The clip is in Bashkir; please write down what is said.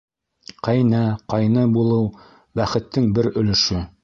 Ҡәйнә, ҡайны булыу - бәхеттең бер өлөшө.